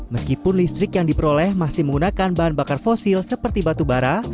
meskipun listrik yang diperoleh masih menggunakan bahan bakar fosil seperti batu bara